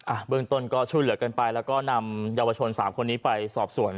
เบื้องต้นก็ช่วยเหลือกันไปแล้วก็นำเยาวชนสามคนนี้ไปสอบส่วน